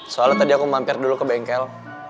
soalnya tadi aku mampir dulu ke bengkel